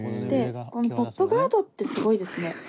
でこのポップガードってすごいですね。